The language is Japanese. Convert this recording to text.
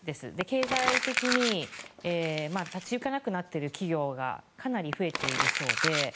経済的に立ちいかなくなっている企業がかなり増えているそうで、